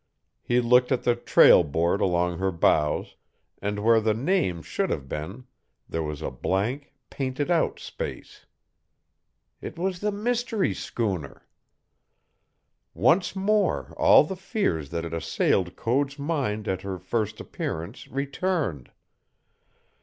He looked at the trail board along her bows, and where the name should have been there was a blank, painted out space. It was the mystery schooner! Once more all the fears that had assailed Code's mind at her first appearance returned.